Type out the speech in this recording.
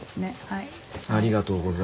はい。